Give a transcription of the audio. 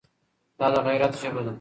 دا د غیرت ژبه ده.